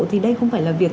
thì đây không phải là việc